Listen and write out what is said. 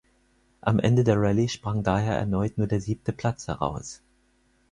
Am Ende der Rallye sprang daher erneut nur der siebte Platz heraus.